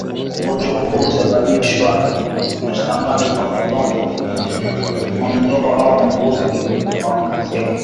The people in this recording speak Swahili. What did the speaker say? Ugonjwa huu husambazwa kondoo au mbuzi wanapokula lishe au kunywa maji yaliyo na mayai